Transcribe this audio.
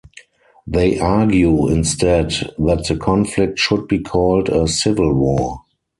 They argue, instead, that the conflict should be called a "civil war".